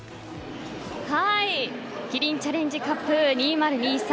キリンチャレンジカップ２０２３